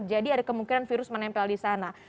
jadi ada kemungkinan virus menempel di sana